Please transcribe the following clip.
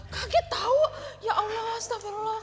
kaget tau ya allah astagfirullahaladzim